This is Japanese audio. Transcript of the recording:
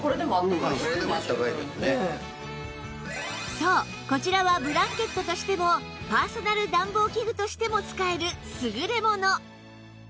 そうこちらはブランケットとしてもパーソナル暖房器具としても使える優れもの